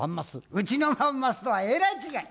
うちのバンマスとはえらい違い。